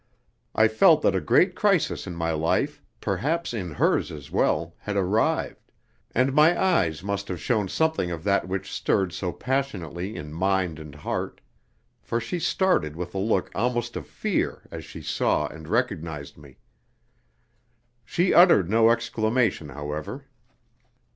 I felt that a great crisis in my life, perhaps in hers as well, had arrived, and my eyes must have shown something of that which stirred so passionately in mind and heart, for she started with a look almost of fear as she saw and recognised me. She uttered no exclamation, however.